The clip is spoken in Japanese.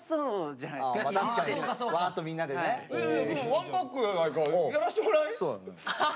ワンパックやないかいやらしてもらい。